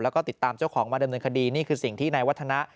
แล้วก็ติดตามเจ้าของมาดำเนินคดีนี่คือสิ่งที่นายวัฒนะ